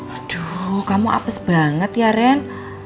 aduh kamu apes banget ya ren